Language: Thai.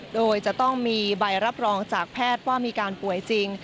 โดยจะต้องมีใบรับรองจากแพทย์ว่ามีการป่วยจริง